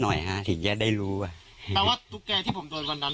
หน่อยฮะถึงจะได้รู้อ่ะแปลว่าตุ๊กแกที่ผมโดนวันนั้น